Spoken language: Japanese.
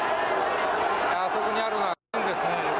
あそこにあるのが軍ですね。